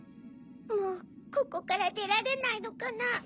もうここからでられないのかな。